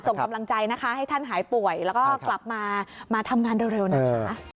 ใช่ค่ะส่งกำลังใจให้ท่านหายป่วยแล้วก็กลับมาทำงานเร็วนะค่ะ